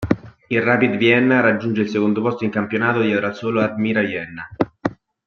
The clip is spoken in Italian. Il Rapid Vienna raggiunge il secondo posto in campionato dietro al solo Admira Vienna.